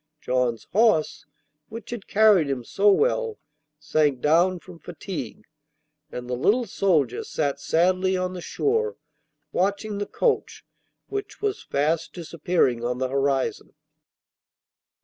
John's horse, which had carried him so well, sank down from fatigue, and the little soldier sat sadly on the shore, watching the coach which was fast disappearing on the horizon.